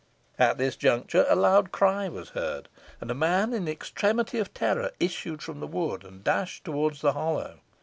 At this juncture, a loud cry was heard, and a man in extremity of terror issued from the wood, and dashed towards the hollow.